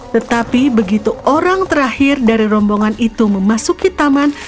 tetapi begitu orang terakhir dari rombongan itu memasuki taman